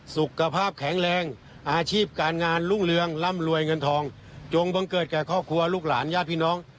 สุขภาพแข็งแรงอาชีพการงานรุ่งเรืองร่ำรวยเงินทองจงบังเกิดแก่ครอบครัวลูกหลานญาติพี่น้อง